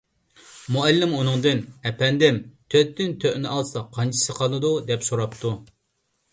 مۇئەللىم ئۇنىڭدىن: _ ئەپەندىم، تۆتتىن تۆتنى ئالسا قانچىسى قالىدۇ؟ _ دەپ سوراپتۇ.